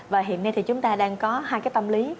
và hiện nay thì chúng ta đang có hai cái tâm lý